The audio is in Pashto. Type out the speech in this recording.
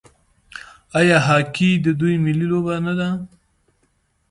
آیا هاکي د دوی ملي لوبه نه ده؟